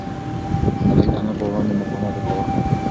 هلک د انا په وړاندې مقاومت کاوه.